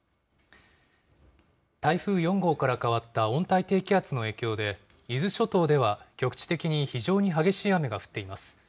台風４号から変わった温帯低気圧の影響で、伊豆諸島では局地的に非常に激しい雨が降っています。